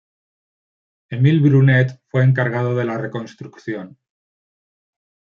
Emile Brunet fue encargado de la reconstrucción.